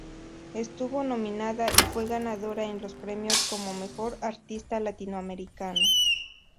Estuvo nominada y fue ganadora en los premios como Mejor Artista Latinoamericano.